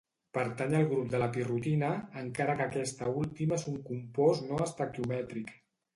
Pertany al grup de la pirrotina, encara que aquesta última és un compost no estequiomètric.